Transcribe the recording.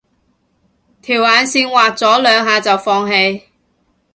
條眼線畫咗兩下就放棄